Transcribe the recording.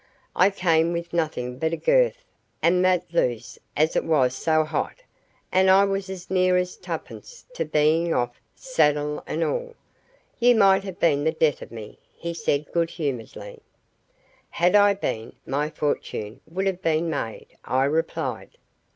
"I came with nothing but a girth, and that loose, as it was so hot; and I was as near as twopence to being off, saddle and all. You might have been the death of me," he said good humouredly. "Had I been, my fortune would have been made," I replied.